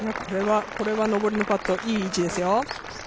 これは上りのパット、いい位置ですよ。